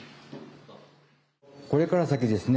これから先ですね